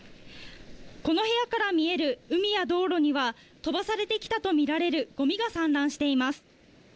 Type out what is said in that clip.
この部屋から見える海や道路には、飛ばされてきたと見られるごみが散乱しています。